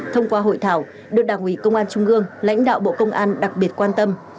thông qua hội thảo được đảng ủy công an trung ương lãnh đạo bộ công an đặc biệt quan tâm